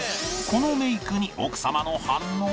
このメイクに奥様の反応は？